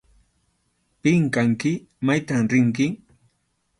¿Pim kanki? ¿Maytam rinki?